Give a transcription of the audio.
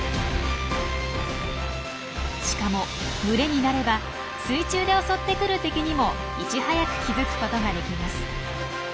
しかも群れになれば水中で襲ってくる敵にもいち早く気付くことができます。